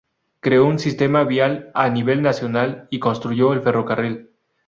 Creó un sistema vial a nivel nacional y construyó el ferrocarril.